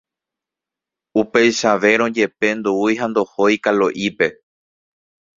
Upeichavérõ jepe ndoúi ha ndohói Kalo'ípe.